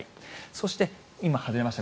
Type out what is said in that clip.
そして、今、外れました